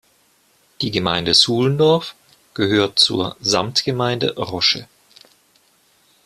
Die Gemeinde Suhlendorf gehört zur Samtgemeinde Rosche.